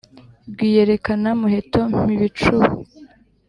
Rwiyerekana-muheto Mpibicuba